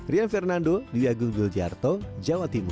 rian fernando diwagung biljarto jawa timur